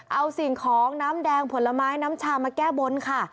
เอาสิ่งของน้ำแดงผลไม้น้ำชามาแก้บนค่ะ